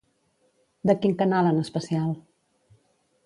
De quin canal en especial?